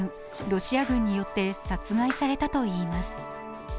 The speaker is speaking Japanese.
ロシア軍によって殺害されたといいます。